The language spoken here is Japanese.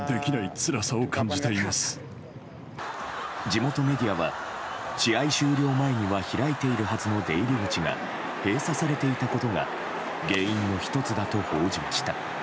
地元メディアは試合終了前には開いているはずの出入り口が閉鎖されていたことが原因の１つだと報じました。